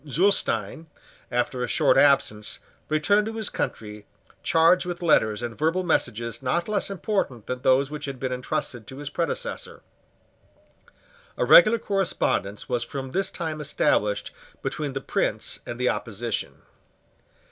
Zulestein, after a short absence, returned to his country charged with letters and verbal messages not less important than those which had been entrusted to his predecessor. A regular correspondence was from this time established between the Prince and the opposition.